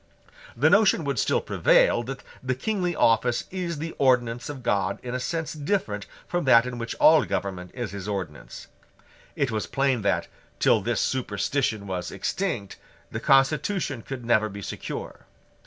The notion would still prevail that the kingly office is the ordinance of God in a sense different from that in which all government is his ordinance. It was plain that, till this superstition was extinct, the constitution could never be secure.